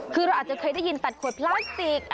คือเราอาจจะเคยได้ยินตัดขวดพลาสติก